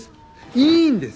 いいんです。